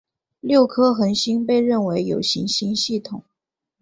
六颗恒星被认为有行星系统。